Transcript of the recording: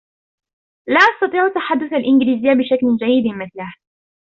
لا أستطيع تحدث الإنجليزية بشكل جيد مِثلِهِ.